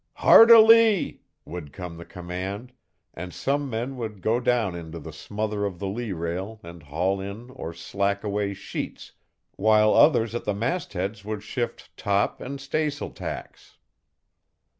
"Hard a lee!" would come the command, and some men would go down into the smother of the lee rail and haul in or slack away sheets, while others at the mastheads would shift top and staysail tacks.